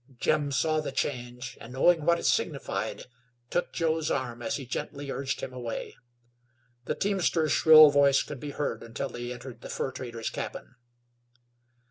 Jim saw the change, and, knowing what it signified, took Joe's arm as he gently urged him away. The teamster's shrill voice could be heard until they entered the fur trader's cabin.